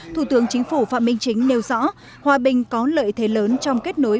thủ tướng chính phủ phạm minh chính nêu rõ hòa bình có lợi thế lớn trong kết nối